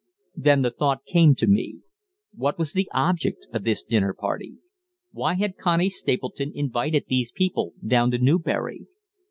Then the thought came to me, What was the object of this dinner party? Why had Connie Stapleton invited these people down to Newbury?